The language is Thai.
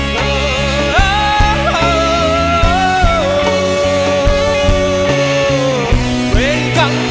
เวรกรรมมันมีจริงใช่ไหม